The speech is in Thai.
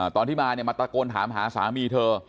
ตอนที่มามาตะโกนถามหาสามีเธอ